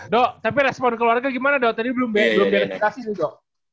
do tapi respon keluarga gimana do tadi belum beres belum beres kasi do